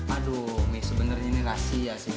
aduh mi sebenernya ini rahasia sih